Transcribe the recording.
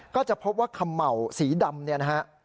ก็จะพบว่าขำเหมาสีดำ